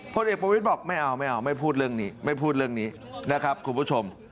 พลเอกประวิทย์บอกไม่เอาไม่เอาไม่พูดเรื่องนี้ไม่พูดเรื่องนี้นะครับคุณผู้ชม